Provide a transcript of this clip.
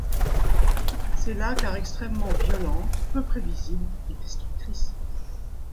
C'est la car extrêmement violente, peu prévisible et destructrice.